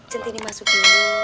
centini masuk dulu